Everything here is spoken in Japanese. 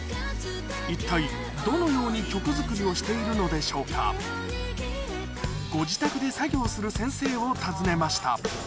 一体どのように曲作りをしているのでしょうかご自宅で作業する先生を訪ねました